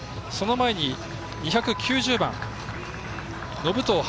その前に、２９０番、延藤。